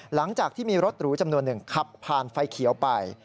หลังจากที่มีรถหรูจำนวนหนึ่งขับผ่านไฟเขียวไป